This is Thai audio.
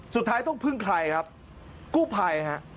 สุดท้ายต้องพึ่งใครครับกู้ภัยฮะ